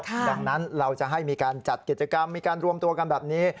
ดังนั้นเราจะให้มีการจัดกิจกรรมมีการรวมตัวกันแบบนี้